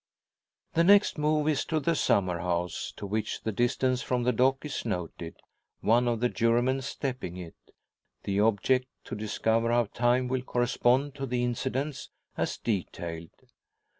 The next move is to the summer house, to which the distance from the dock is noted, one of the jurymen stepping it the object to discover how time will correspond to the incidents as detailed.